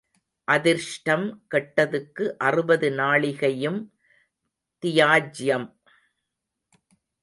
அதிர்ஷ்டம் கெட்டதுக்கு அறுபது நாழிகையும் தியாஜ்யம்